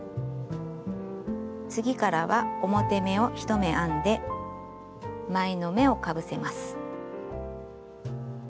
次からは表目を１目編んで前の目をかぶせます。